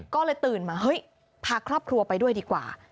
ก็เลยตื่นมาเฮ้ยพาครอบครัวไปด้วยดีกว่า